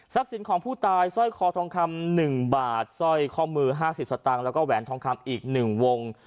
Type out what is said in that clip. สินของผู้ตายสร้อยคอทองคำ๑บาทสร้อยข้อมือ๕๐สตางค์แล้วก็แหวนทองคำอีก๑วง